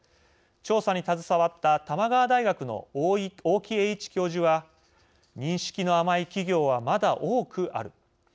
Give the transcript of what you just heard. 調査に携わった玉川大学の大木栄一教授は認識の甘い企業はまだ多くある。